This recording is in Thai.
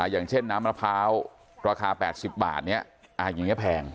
อย่างเช่นน้ำมะพร้าวราคา๘๐บาทอย่างนี้แพง